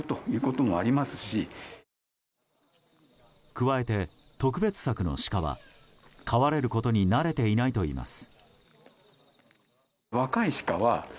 加えて、特別柵のシカは飼われることに慣れていないといいます。